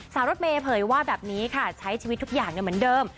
สาวรถเมย์เปิยว่าแบบนี้ค่ะใช้ชีวิตทุกอย่างเดิม